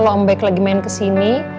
om baik lagi main kesini